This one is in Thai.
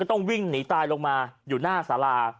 ต้องวิ่งหนีตายลงมาอยู่หน้าสารา